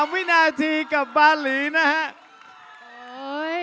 ๒๓วินาทีกับบาลีนะฮะ